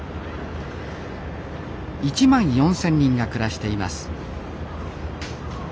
１万４，０００人が暮らしています。